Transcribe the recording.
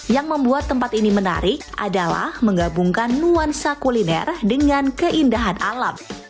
yang membuat tempat ini menarik adalah menggabungkan nuansa kuliner dengan keindahan alam